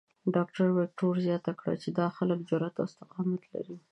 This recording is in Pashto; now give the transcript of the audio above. ډاکټر وېکټور زیاته کړې چې دا خلک جرات او استقامت لري.